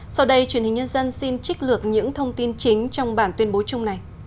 sau đây truyền hình nhân dân xin trích lược những thông tin chính trong bản tuyên bố chung này